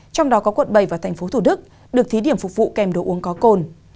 trong đó có quận bảy và thành phố thủ đức được thí điểm phục vụ kèm đồ uống có cồn